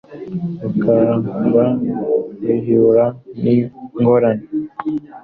rukaba rugihura n ingorane